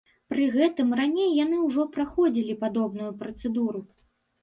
Пры гэтым, раней яны ўжо праходзілі падобную працэдуру.